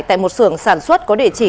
tại một sưởng sản xuất có địa chỉ